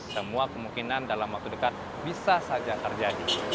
semua kemungkinan dalam waktu dekat bisa saja terjadi